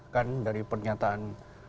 kan dari pernyataan